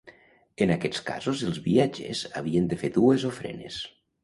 En aquests casos, els viatgers havien de fer dues ofrenes.